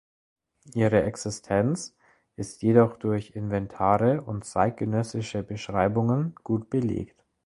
Ihre Existenz ist jedoch durch Inventare und zeitgenössische Beschreibungen gut belegt.